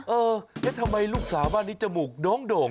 เออแล้วทำไมลูกสาวบ้านนี้จมูกน้องโด่ง